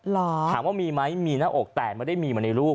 ถามว่ามีไหมมีหน้าอกแต่ไม่ได้มีมาในลูก